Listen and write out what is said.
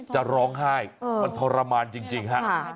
จะร้องไห้มันทรมานจริงฮะ